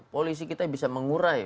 polisi kita bisa mengurai